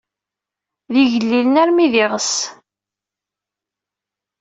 D igellilen armi d iɣes.